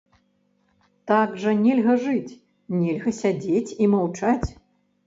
Так жа нельга жыць, нельга сядзець і маўчаць.